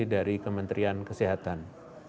dari kementerian kesehatan